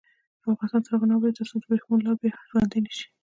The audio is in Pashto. افغانستان تر هغو نه ابادیږي، ترڅو د وریښمو لار بیا ژوندۍ نشي.